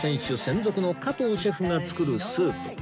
専属の加藤シェフが作るスープ